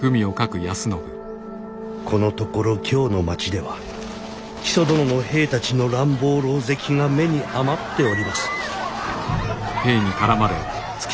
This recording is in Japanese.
「このところ京の町では木曽殿の兵たちの乱暴狼藉が目に余っております」。